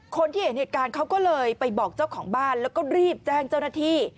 คนที่เห็นเหตุการณ์เขาก็เลยไปบอกเจ้าของบ้านแล้วก็รีบแจ้งเจ้าหน้าที่